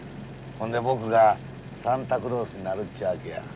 ほんで僕がサンタクロースになるちゅうわけや。